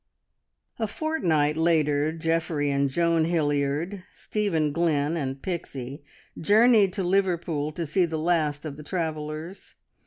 A fortnight later Geoffrey and Joan Hilliard, Stephen Glynn, and Pixie journeyed to Liverpool to see the last of the travellers.